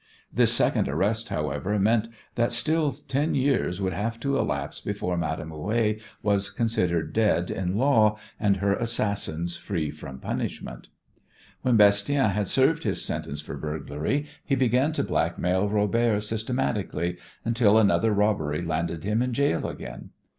This second arrest, however, meant that still ten years would have to elapse before Madame Houet was considered dead in law and her assassins free from punishment. When Bastien had served his sentence for burglary he began to blackmail Robert systematically, until another robbery landed him in gaol again.